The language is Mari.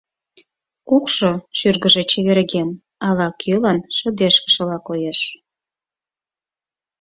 Кукшо шӱргыжӧ чеверген, ала-кӧлан шыдешкышыла коеш.